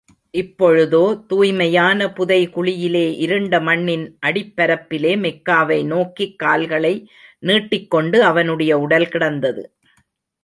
இப்பொழுதோ, தூய்மையான புதைகுழியிலே இருண்ட மண்ணின் அடிப்பரப்பிலே, மெக்காவை நோக்கிக் கால்களை நீட்டிக் கொண்டு அவனுடைய உடல் கிடந்தது.